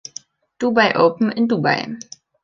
Dubai-Open in Dubai.